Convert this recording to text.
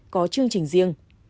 có chương trình riêng